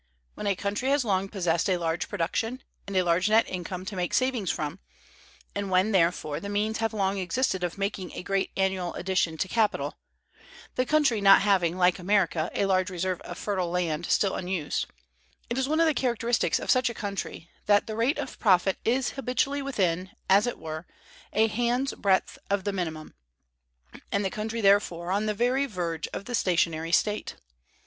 When a country has long possessed a large production, and a large net income to make savings from, and when, therefore, the means have long existed of making a great annual addition to capital (the country not having, like America, a large reserve of fertile land still unused), it is one of the characteristics of such a country that the rate of profit is habitually within, as it were, a hand's breadth of the minimum, and the country, therefore, on the very verge of the stationary state.